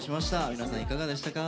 皆さん、いかがでしたか。